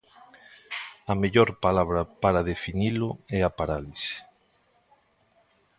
A mellor palabra para definilo é a parálise.